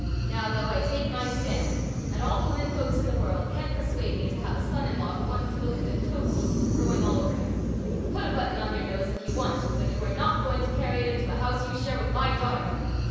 Now, though, I take my stand, and all the women folks in the world can't persuade me to have a son in law who wants to look as if toadstools were growing all over him. Put a button on your nose if you want to, but you are not going to carry it into a house you share with my daughter."